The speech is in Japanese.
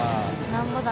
なんぼだ？